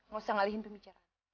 gak usah ngalihin pembicaraan